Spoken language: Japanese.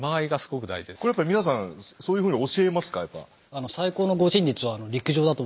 これやっぱ皆さんそういうふうに教えますか？